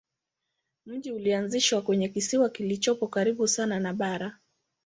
Mji ulianzishwa kwenye kisiwa kilichopo karibu sana na bara.